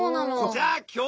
じゃあ今日はね